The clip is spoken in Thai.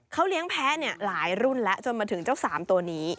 เขาเลี้ยงแพ้หลายรุ่นแล้วจนมาถึงเจ้าสามตัวนี้